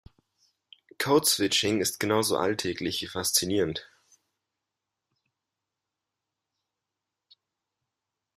Code Switching ist genauso alltäglich wie faszinierend.